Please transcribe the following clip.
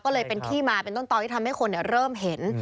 ก็เลยเป็นที่มาเป็นต้นตอนที่ทำให้คนเริ่มเห็น